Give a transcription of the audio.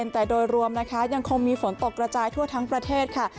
แต่โดยรวมนะคะยังคงมีฝนตกกระจายทั่วทั้งประเทศค่ะ